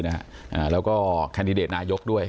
น่าอ่าแล้วก็แคนดิเดตนายกด้วย